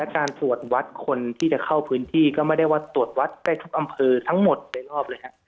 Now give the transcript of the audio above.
การตรวจวัดคนที่จะเข้าพื้นที่ก็ไม่ได้ว่าตรวจวัดได้ทุกอำเภอทั้งหมดโดยรอบเลยฮะ